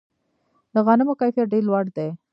د غنمو کیفیت ډیر لوړ دی.